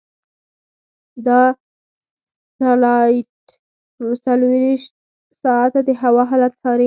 دا سټلایټ څلورویشت ساعته د هوا حالت څاري.